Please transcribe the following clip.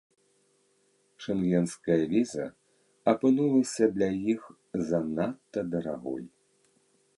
Шэнгенская віза апынулася для іх занадта дарагой.